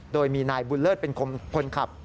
โดยมีนายบุญเลิศเป็นคนขับ